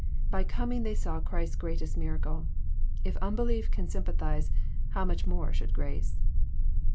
By coming they saw Christ's greatest miracle. If unbelief can sympathize, how much more should grace.